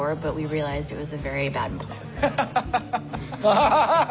ハハハハハ。